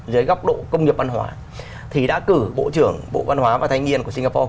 dưới góc độ công nghiệp văn hóa thì đã cử bộ trưởng bộ văn hóa và thanh niên của singapore